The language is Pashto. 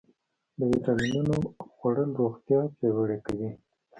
د ویټامینونو خوړل روغتیا پیاوړې کوي.